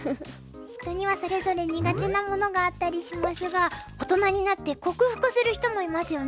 人にはそれぞれ苦手なものがあったりしますが大人になって克服する人もいますよね。